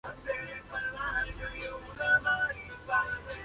Anteriormente estuvo dedicado a vivienda.